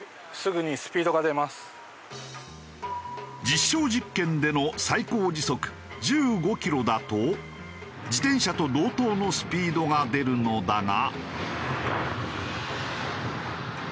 実証実験での最高時速１５キロだと自転車と同等のスピードが出るのだが。